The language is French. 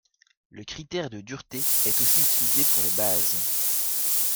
Le critère de dureté est aussi utilisé pour les bases.